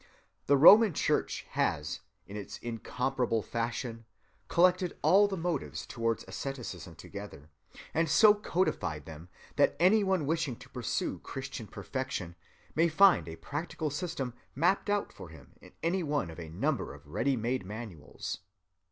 The Roman Church has, in its incomparable fashion, collected all the motives towards asceticism together, and so codified them that any one wishing to pursue Christian perfection may find a practical system mapped out for him in any one of a number of ready‐made manuals.